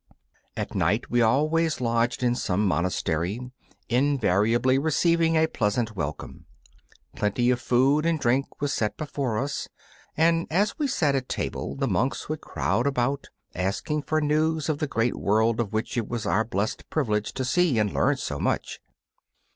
At night we always lodged in some monastery, invariably receiving a pleasant welcome. Plenty of food and drink was set before us, and as we sat at table the monks would crowd about, asking for news of the great world of which it was our blessed privilege to see and learn so much.